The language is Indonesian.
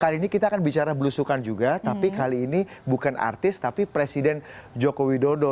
kali ini kita akan bicara belusukan juga tapi kali ini bukan artis tapi presiden joko widodo